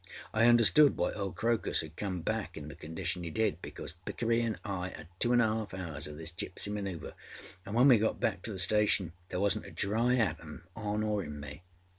I understood why old Crocus âad come back in the condition âe did, because Vickery anâ I âad two anâ a half hours oâ this gipsy manÅuvre anâ when we got back to the station there wasnât a dry atom on or in me.